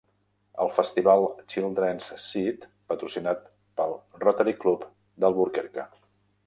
El Festival Children's Seed, patrocinat pel Rotary Club d'Albuquerque.